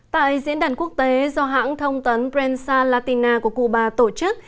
tại diễn đàn quốc tế do hãng thông tấn prensa latina của cuba tổ chức